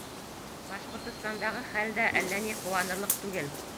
Башҡортостандағы хәл дә әллә ни ҡыуанырлыҡ түгел.